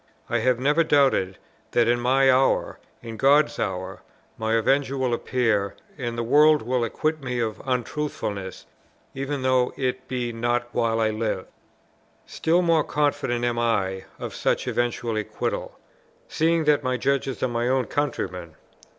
I have never doubted, that in my hour, in God's hour, my avenger will appear, and the world will acquit me of untruthfulness, even though it be not while I live. Still more confident am I of such eventual acquittal, seeing that my judges are my own countrymen.